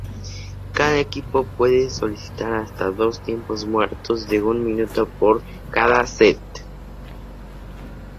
Cada equipo puede solicitar hasta dos tiempos muertos de un minuto por cada set.